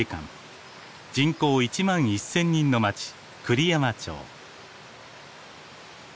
人口１１，０００人の町栗山町。